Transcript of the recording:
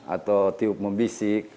atau tiup membisik